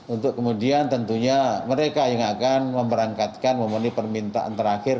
untuk kemudian tentunya mereka yang akan memberangkatkan memenuhi permintaan terakhir